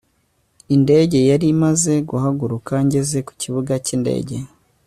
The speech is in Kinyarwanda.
indege yari imaze guhaguruka ngeze ku kibuga cyindege